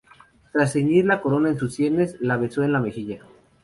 Tras ceñir la corona en sus sienes, la besó en la mejilla.